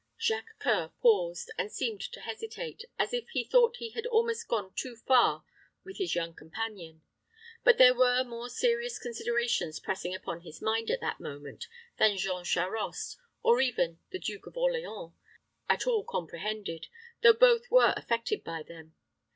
Jacques C[oe]ur paused, and seemed to hesitate, as if he thought he had almost gone too far with his young companion; but there were more serious considerations pressing upon his mind at that moment than Jean Charost, or even the Duke of Orleans, at all comprehended, though both were affected by them.